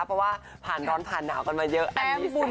เพราะว่าผ่านร้อนผ่านหนาวกันมาเยอะอันนี้สุด